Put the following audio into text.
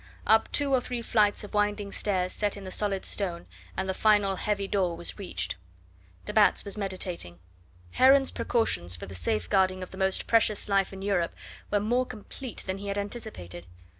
Up two or three flights of winding stairs set in the solid stone, and the final heavy door was reached. De Batz was meditating. Heron's precautions for the safe guarding of the most precious life in Europe were more complete than he had anticipated.